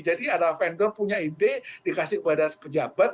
jadi ada vendor punya ide dikasih kepada pejabat